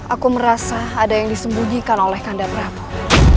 aku merasa ada yang disembunyikan oleh kandap rapuh